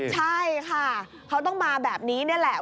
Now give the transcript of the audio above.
ใช่ค่ะเขาต้องมาแบบนี้นี่แหละ